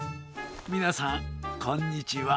みなさんこんにちは。